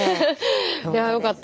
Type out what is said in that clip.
いやよかった。